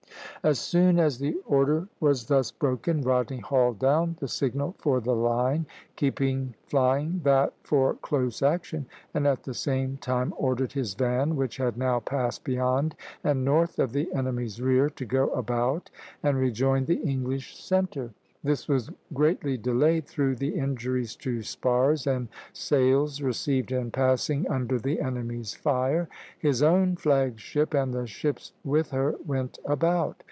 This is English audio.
As soon as the order was thus broken, Rodney hauled down the signal for the line, keeping flying that for close action, and at the same time ordered his van, which had now passed beyond and north of the enemy's rear, to go about and rejoin the English centre. This was greatly delayed through the injuries to spars and sails received in passing under the enemy's fire. His own flag ship and the ships with her went about.